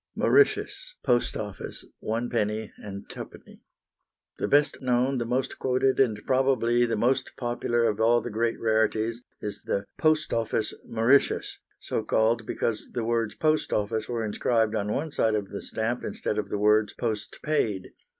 Mauritius, "Post Office," 1d. and 2d. The best known, the most quoted, and probably the most popular of all the great rarities is the "Post Office" Mauritius, so called because the words "Post Office" were inscribed on one side of the stamp instead of the words "Post Paid."